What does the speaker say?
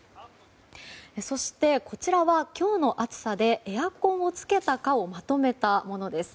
そして、こちらは今日の暑さでエアコンをつけたかをまとめたものです。